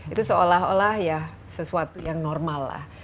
itu seolah olah ya sesuatu yang normal lah